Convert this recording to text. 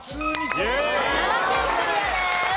奈良県クリアです。